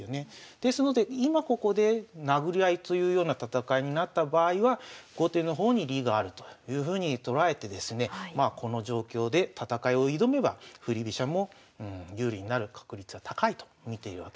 ですので今ここでなぐり合いというような戦いになった場合は後手の方に利があるというふうに捉えてですねこの状況で戦いを挑めば振り飛車も有利になる確率は高いと見ているわけなんですね。